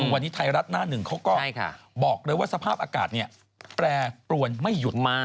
วันนี้ไทยรัฐหน้าหนึ่งเขาก็บอกเลยว่าสภาพอากาศแปรปรวนไม่หยุดมา